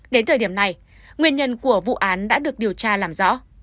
đến thời điểm này nguyên nhân của vụ án đã được điều tra làm rõ